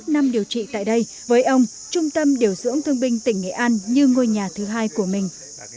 hai mươi năm năm điều trị tại đây với ông trung tâm điều dưỡng thương binh tỉnh nghệ an như ngôi nhà thứ hai của mình